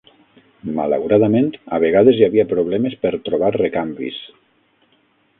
Malauradament, a vegades hi havia problemes per trobar recanvis.